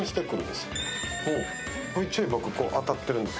ちょいちょい僕、当たってるんです